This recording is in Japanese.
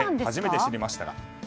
初めて知りましたが。